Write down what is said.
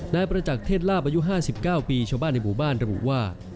นายประจักษ์เทศลาบอายุ๕๙ปีชาวบ้านในหมู่บ้านระบุว่า